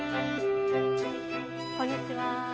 こんにちは。